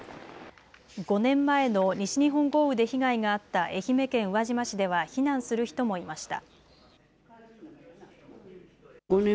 ５年前の西日本豪雨で被害があった愛媛県宇和島市では避難する人もいました。